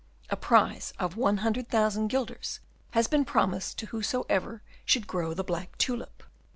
"A prize of one hundred thousand guilders has been promised to whosoever should grow the black tulip.